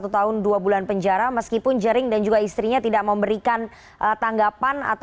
satu tahun dua bulan penjara meskipun jering dan juga istrinya tidak memberikan tanggapan atau